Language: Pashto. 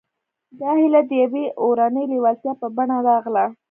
دا هيله د يوې اورنۍ لېوالتيا په بڼه راغله.